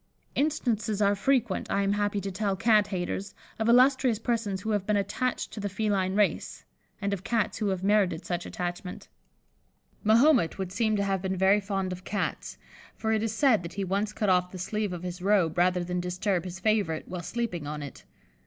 Instances are frequent, I am happy to tell Cat haters, of illustrious persons who have been attached to the feline race, and of Cats who have merited such attachment. Mahomet would seem to have been very fond of Cats, for it is said that he once cut off the sleeve of his robe rather than disturb his favourite while sleeping on it.